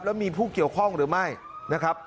แล้วมีผู้เกี่ยวข้องหรือไม่นะครับ